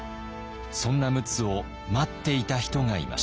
そんな陸奥を待っていた人がいました。